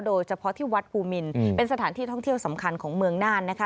โดยเฉพาะที่วัดภูมินเป็นสถานที่ท่องเที่ยวสำคัญของเมืองน่านนะคะ